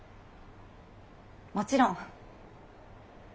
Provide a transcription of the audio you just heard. もちろん。